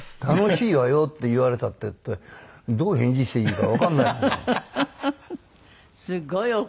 「楽しいわよ」って言われたってどう返事していいのかわかんない。